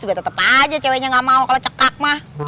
udah tetep aja ceweknya gak mau kalo cekak mah